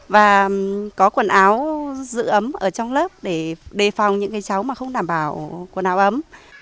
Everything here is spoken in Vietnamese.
và có quần áo giữ ấm ở trong lớp để đề phòng những cháu mà không đảm bảo quần áo ấm